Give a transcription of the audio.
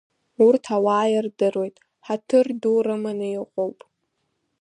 Урҭ ауаа ирдыруеит, ҳаҭыр ду рыманы иҟоуп.